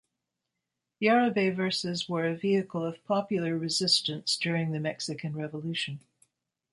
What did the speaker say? Jarabe verses were a vehicle of popular resistance during the Mexican Revolution.